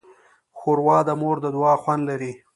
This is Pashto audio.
ښوروا د مور د دعا خوند لري.